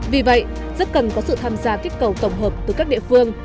vì vậy rất cần có sự tham gia kích cầu tổng hợp từ các địa phương